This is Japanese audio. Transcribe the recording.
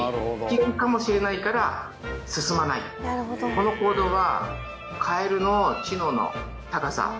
この行動は。